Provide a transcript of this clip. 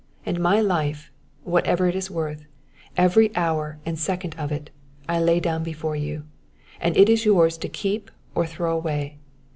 And my life whatever it is worth, every hour and second of it, I lay down before you, and it is yours to keep or throw away.